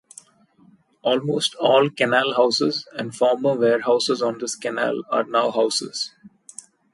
Almost all canal houses and former warehouses on this canal are now houses.